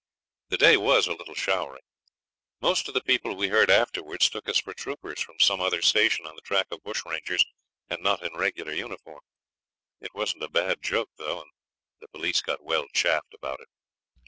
The day was a little showery. Most of the people we heard afterwards took us for troopers from some other station on the track of bush rangers, and not in regular uniform. It wasn't a bad joke, though, and the police got well chaffed about it.